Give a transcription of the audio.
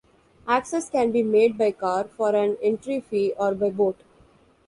Access can be made by car for an entry fee or by boat.